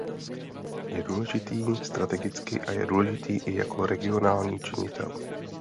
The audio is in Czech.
Je důležitý strategicky a je důležitý i jako regionální činitel.